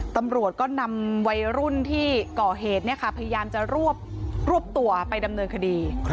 ตำรวจก็นำวัยรุ่นที่ก่อเหตุพยายามจะรวบตัวไปดำเนินคดี